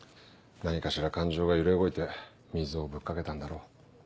何かしら感情が揺れ動いて水をぶっかけたんだろう。